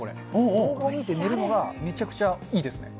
動画を見て寝るのがめちゃくちゃいいですね。